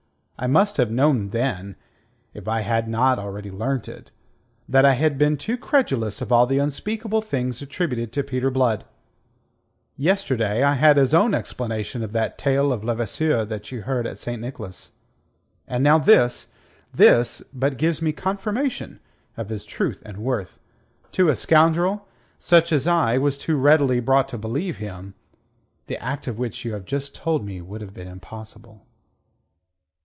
I must have known then, if I had not already learnt it, that I had been too credulous of all the unspeakable things attributed to Peter Blood. Yesterday I had his own explanation of that tale of Levasseur that you heard in St. Nicholas. And now this... this but gives me confirmation of his truth and worth. To a scoundrel such as I was too readily brought to believe him, the act of which you have just told me would have been impossible."